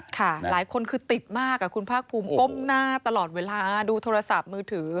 หลายคนคือติดมากคุณภาคภูมิก้มหน้าตลอดเวลาดูโทรศัพท์มือถือ